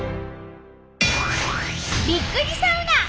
びっくりサウナ！